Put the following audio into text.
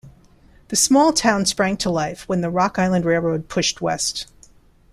The small town sprang to life when the Rock Island Railroad pushed west.